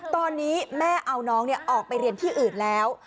ตอนนี้แม่เอาน้องออกไปเรียนที่อื่นแล้ว